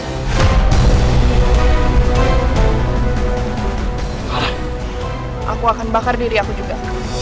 aku akan bakar diri aku juga